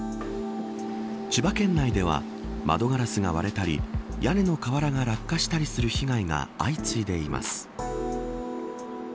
千葉県内では窓ガラスが割れたり屋根の瓦が落下したりする被害が相次いでいます。